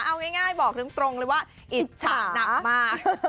เอาง่ายบอกตรงเลยว่าอิจฉาหนักมาก